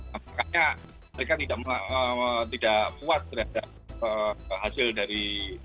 makanya mereka tidak puas terhadap hasil dari